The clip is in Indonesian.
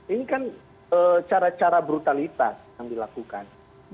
ini kan cara cara brutalitas yang dilakukan